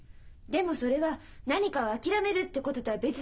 でもそれは何かを諦めるってこととは別だと思うんです。